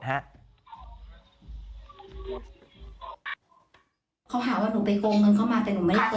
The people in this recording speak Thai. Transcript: เขาหาว่าหนูไปโกงเงินเข้ามาแต่หนูไม่ได้โก